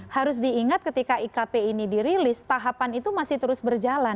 harus diingat ketika ikp ini dirilis tahapan itu masih terus berjalan